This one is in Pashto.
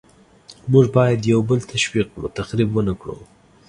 موږ باید یو بل تشویق کړو، تخریب ونکړو.